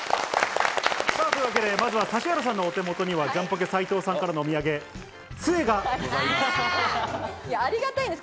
というわけで指原さんのお手元にはジャンポケ・斉藤さんからのお土産、杖があります。